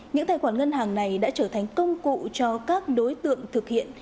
những tài khoản ngân hàng này đã trở thành công cụ cho các đối tượng thực hiện